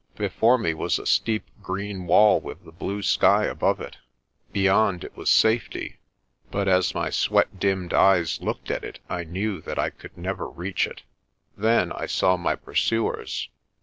Before me was a steep green wall with the sky blue above it. Beyond it was safety, but 180 PRESTER JOHN as my sweat dimmed eyes looked at it I knew that I could never reach it. Then I saw my pursuers.